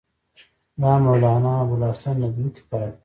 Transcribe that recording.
دا مولانا ابوالحسن ندوي کتاب دی.